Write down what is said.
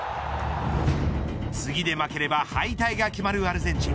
次で負ければ敗退が決まるアルゼンチン。